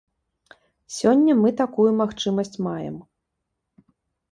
Сёння мы такую магчымасць маем.